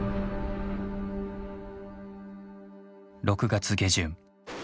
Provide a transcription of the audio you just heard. ６月下旬